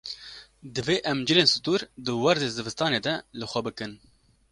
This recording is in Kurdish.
Divê em cilên stûr di werzê zivistanê de li xwe bikin.